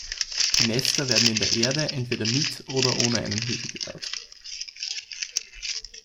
Die Nester werden in der Erde entweder mit oder ohne einen Hügel gebaut.